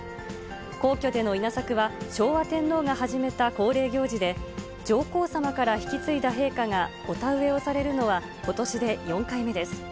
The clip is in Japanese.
皇居での稲作は、昭和天皇が始めた恒例行事で、上皇さまから引き継いだ陛下がお田植えをされるのは、ことしで４回目です。